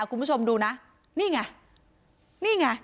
คุณผู้ชมดูนะนี่ไงนี่ไง